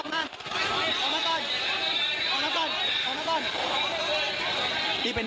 ออกมาก่อนออกมาก่อนออกมาก่อน